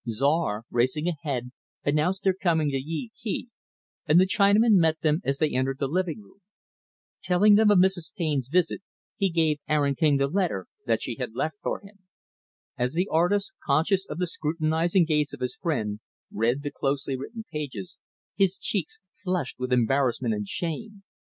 Czar, racing ahead, announced their coming to Yee Kee and the Chinaman met them as they entered the living room. Telling them of Mrs. Taine's visit, he gave Aaron King the letter that she had left for him. As the artist, conscious of the scrutinizing gaze of his friend, read the closely written pages, his cheeks flushed with embarrassment and shame.